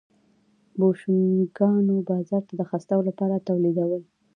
بوشونګانو بازار ته د خرڅلاو لپاره تولیدول.